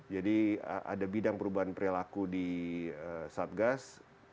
jadi ada bidang perubahan perilaku di satgas